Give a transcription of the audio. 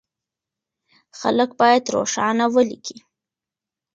خلک بايد روښانه وليکي.